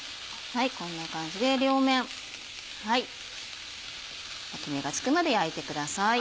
こんな感じで両面焼き目がつくまで焼いてください。